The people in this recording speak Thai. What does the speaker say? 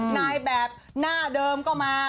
นายแบบหน้าเดิมก็มา